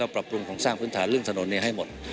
เราปรับปรุงของสร้างพื้นฐานเรื่องถนนเนี่ยให้หมด